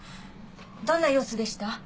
どんな様子でした？